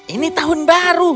ini tahun baru